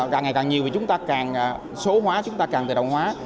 càng ngày càng nhiều vì chúng ta càng số hóa chúng ta càng tài đồng hóa